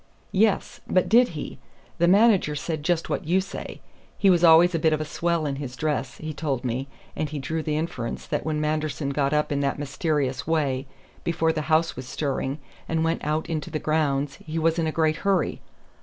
"Yes, but did he? The manager said just what you say. 'He was always a bit of a swell in his dress,' he told me, and he drew the inference that when Manderson got up in that mysterious way, before the house was stirring, and went out into the grounds, he was in a great hurry.